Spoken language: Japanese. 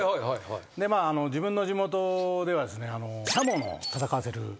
で自分の地元ではですねシャモの戦わせる。